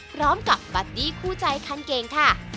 พร้อมกับบัดดี้คู่ใจคันเก่งค่ะ